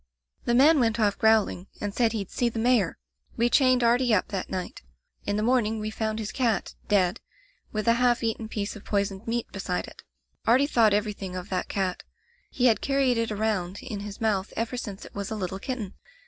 "The man went off growling, and said he'd see the Mayor, We chained Artie up that night. In the morning we found his cat, dead, with a half eaten piece of poisoned meat beside it. Artie thought everything of that cat. He had carried it around in his mouth ever since it was a little kitten.